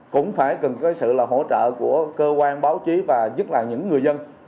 cũng phải cần cái sự là hỗ trợ của cơ quan báo chí và nhất là những người dân